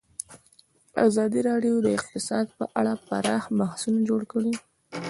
ازادي راډیو د اقتصاد په اړه پراخ بحثونه جوړ کړي.